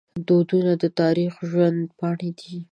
دودونه د تاریخ ژوندي پاڼې دي.